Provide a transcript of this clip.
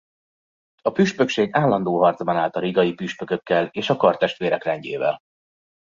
A püspökség állandó harcban állt a rigai püspökökkel és a Kardtestvérek rendjével.